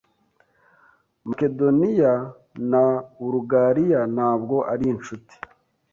Makedoniya na Bulugariya ntabwo ari inshuti.